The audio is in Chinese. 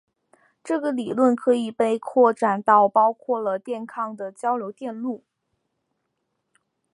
这个理论可以被扩展到包括了电抗的交流电路。